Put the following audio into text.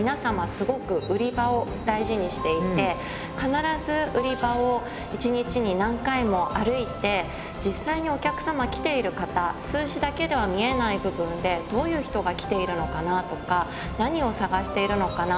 すごく売り場を大事にしていて必ず売り場を一日に何回も歩いて実際にお客様来ている方数字だけでは見えない部分でどういう人が来ているのかなとか何を探しているのかな？